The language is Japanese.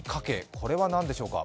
これは何でしょうか？